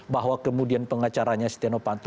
bahwa kemudian pengacaranya setiawapanto